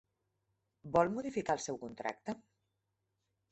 Vol modificar el seu contracte?